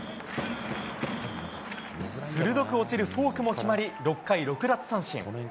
鋭く落ちるフォークも決まり６回６奪三振。